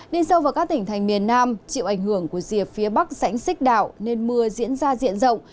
điên sâu vào các tỉnh thành miền nam chịu ảnh hưởng của diệt phía bắc sảnh xích đạo nên mưa diễn ra diện rộng